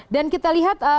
dan kita lihat